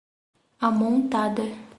Amontada